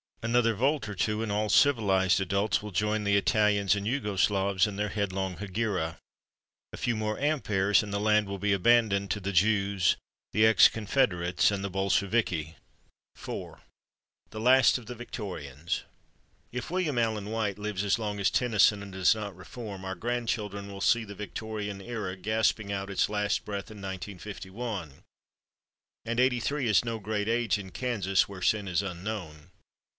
Another volt or two, and all civilized adults will join the Italians and Jugo Slavs in their headlong hegira. A few more amperes, and the land will be abandoned to the Jews, the ex Confederates and the Bolsheviki. 4 The Last of the Victorians If William Allen White lives as long as Tennyson, and does not reform, our grandchildren will see the Victorian era gasping out its last breath in 1951. And eighty three is no great age in Kansas, where sin is unknown.